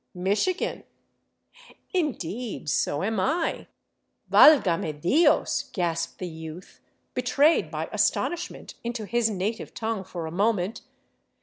" Michigan." " Indeed ! So am I." "Valgame Dios!" gasped the youth, betrayed by astonishment into his native tongue for a moment.